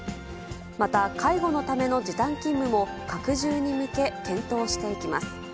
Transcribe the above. また、介護のための時短勤務も、拡充に向け検討していきます。